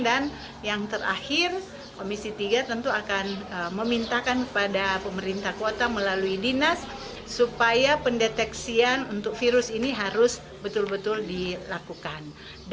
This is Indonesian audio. dan yang terakhir komisi tiga tentu akan memintakan kepada pemerintah kota melalui dinas supaya pendeteksian untuk virus ini harus betul betul dilakukan